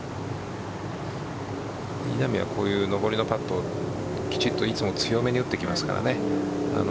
稲見はこういう上りのパットきちっといつも強めに打ってきますからね。